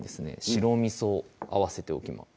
白みそ合わせておきます